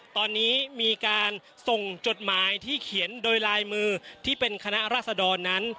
ตอนนี้มีการส่งจดหมายที่เขียนโดยลายมือที่เป็นคณะราษดรนั้น